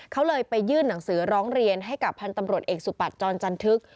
เขาเลยไปยื่นหนังสือร้องเรียนให้กับพันธ์ตำรวจเอกสุปัตย์จรจันทึก